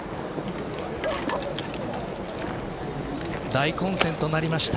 大混戦となりました。